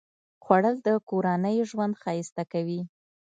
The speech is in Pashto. خوړل د کورنۍ ژوند ښایسته کوي